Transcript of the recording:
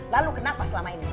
lalu kenapa selama ini